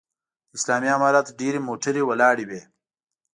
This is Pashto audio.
د اسلامي امارت ډېرې موټرې ولاړې وې.